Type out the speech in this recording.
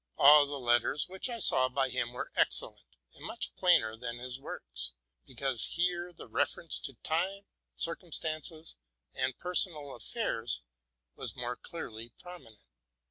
Whatever letters of his I saw were excellent, and much plainer than his works, because here the reference to time, circumstances, and personal affairs was more clearly promi nent.